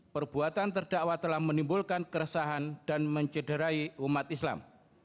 perbuatan terdakwa telah menimbulkan keresahan dan mencederai umat islam